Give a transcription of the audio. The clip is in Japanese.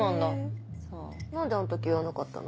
何であの時言わなかったの？